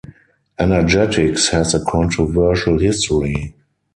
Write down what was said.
Energetics has a controversial history.